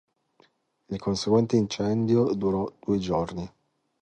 Il conseguente incendio durò due giorni.